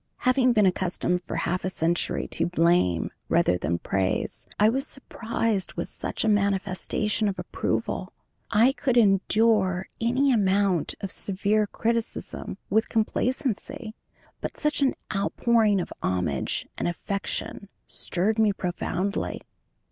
Having been accustomed for half a century to blame rather than praise, I was surprised with such a manifestation of approval; I could endure any amount of severe criticism with complacency, but such an outpouring of homage and affection stirred me profoundly.